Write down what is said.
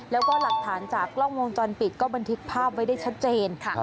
แล้วก็หลักฐานจากกล้องวงจรปิดก็บันทึกภาพไว้ได้ชัดเจน